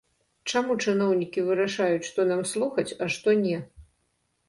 Чаму чыноўнікі вырашаюць, што нам слухаць, а што не?